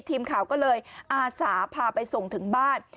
ทีมข่าวก็เลยอาสาพาไปส่งถึงบ้าน